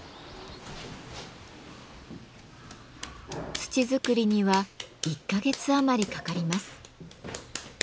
土作りには１か月余りかかります。